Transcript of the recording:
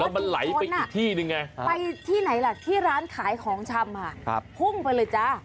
มันไหลไปอีกที่หนึ่งไงไปที่ไหนล่ะที่ร้านขายของชำพุ่งไปเลยจ้า